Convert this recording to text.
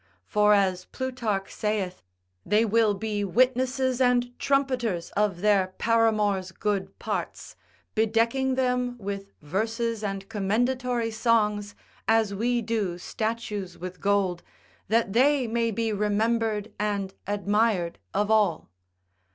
For as Plutarch saith, They will be witnesses and trumpeters of their paramours' good parts, bedecking them with verses and commendatory songs, as we do statues with gold, that they may be remembered and admired of all.